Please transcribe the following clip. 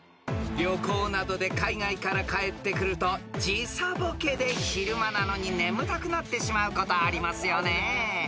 ［旅行などで海外から帰ってくると時差ボケで昼間なのに眠たくなってしまうことありますよね］